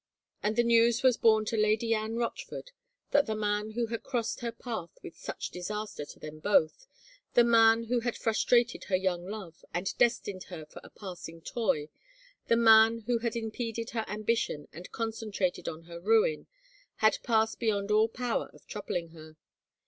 And the news was borne to Lady Anne Rochford that the man who had crossed her path with such disaster to them both, the man who had frustrated her young fove and destined her for a passing toy, the man who had impeded her ambition and concentrated oh her ruin, had passed beyond all power of troubling her.